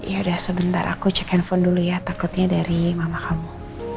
ya udah sebentar aku cek handphone dulu ya takutnya dari mama kamu